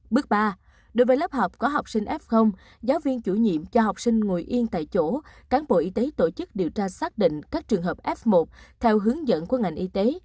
bước ba đối với lớp học có học sinh f giáo viên chủ nhiệm cho học sinh ngồi yên tại chỗ cán bộ y tế tổ chức điều tra xác định các trường hợp f một theo hướng dẫn của ngành y tế